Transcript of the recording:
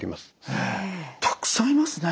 へえたくさんいますね。